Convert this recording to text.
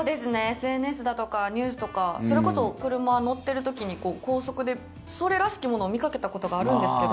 ＳＮＳだとかニュースとかそれこそ車に乗っている時にそれらしきものを見たことはあるんですけど。